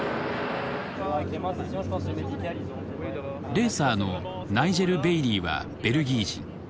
レーサーのナイジェル・ベイリーはベルギー人。